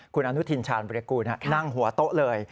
คุณอนุทินชาญวิรากูลนั่งหัวโต๊ะเลย